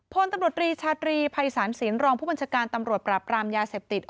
พลตำรวจรีชาตรีภัยศาลศีลรองผู้บัญชาการตำรวจปราบรามยาเสพติด